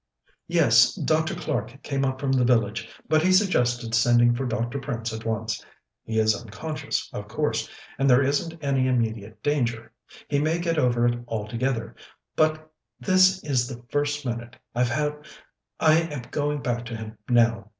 "Yes. Dr. Clark came up from the village, but he suggested sending for Dr. Prince at once. He is unconscious, of course, and there isn't any immediate danger; he may get over it altogether, but this is the first minute I've had I am going back to him now.